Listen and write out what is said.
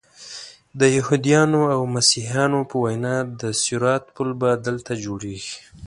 د یهودانو او مسیحیانو په وینا د صراط پل به دلته جوړیږي.